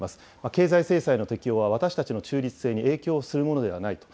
経済制裁の適用は、私たちの中立性に影響するものではないと。